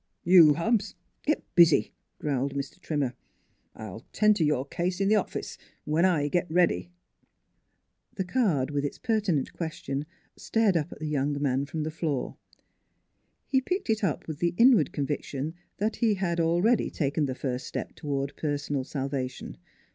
" You, Hobbs, get busy," growled Mr. Trim mer. " I'll 'tend to your case in the office, when I get ready." The card, with its pertinent question, stared up at the young man from the floor. He picked it up, with the inward conviction that he had al ready taken the first step toward personal salva tion.